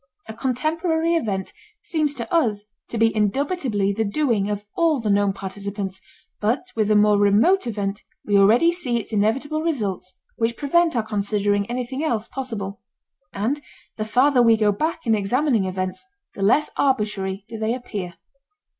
A contemporary event seems to us to be indubitably the doing of all the known participants, but with a more remote event we already see its inevitable results which prevent our considering anything else possible. And the farther we go back in examining events the less arbitrary do they appear.